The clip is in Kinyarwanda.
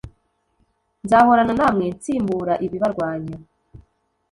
Nzahorana namwe nsimbura ibibarwanya